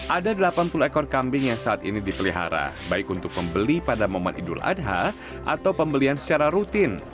ada delapan puluh ekor kambing yang saat ini dipelihara baik untuk pembeli pada momen idul adha atau pembelian secara rutin